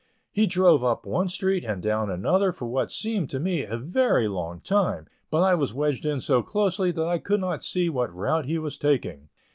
He drove up one street and down another, for what seemed to me a very long time, but I was wedged in so closely that I could not see what route he was taking.